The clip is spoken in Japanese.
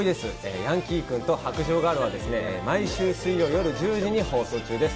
ヤンキー君と白杖ガールは、毎週水曜夜１０時に放送中です。